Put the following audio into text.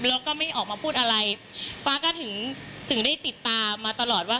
แล้วก็ไม่ออกมาพูดอะไรฟ้าก็ถึงถึงได้ติดตามมาตลอดว่า